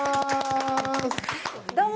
どうも！